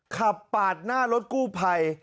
ขับปากหน้ารถกู้ไพร